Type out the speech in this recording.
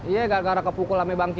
ia gara gara kepukul ame bangkit